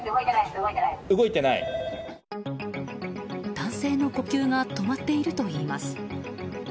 男性の呼吸が止まっているといいます。